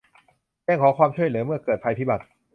แจ้งขอความช่วยเหลือเมื่อเกิดภัยพิบัติ